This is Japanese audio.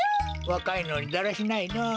わかいのにだらしないのう。